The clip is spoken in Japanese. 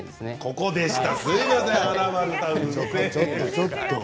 ここでした。